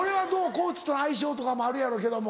コーチとの相性とかもあるやろうけども。